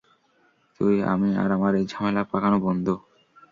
তুই, আমি আর আমার এই ঝামেলা পাকানো বন্ধু।